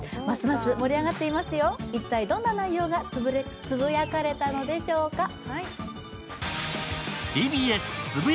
ますます盛り上がっていますよ、一体どんな内容がつぶやかれたのでしょうか。